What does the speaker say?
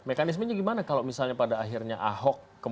mekanismenya gimana kalau misalnya pada akhirnya ahok